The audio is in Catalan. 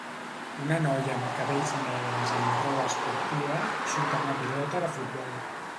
Una noia amb cabells negres amb roba esportiva xuta una pilota de futbol.